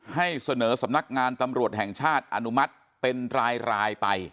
ให้เสนอสำนักงานตำรวจแห่งชาติอนุมัติเป็นรายไป